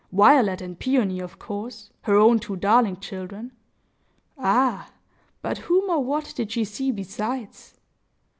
Violet and Peony, of course, her own two darling children. Ah, but whom or what did she see besides?